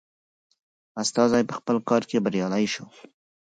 استازی په خپل کار کې بریالی شوی.